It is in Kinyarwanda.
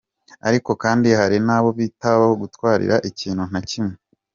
Ariko kandi hari n’abo bitabaho gutwarira ikintu na kimwe.